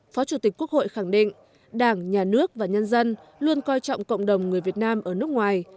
phó chủ tịch quốc hội khẳng định đảng nhà nước và nhân dân luôn coi trọng cộng đồng người việt nam ở nước ngoài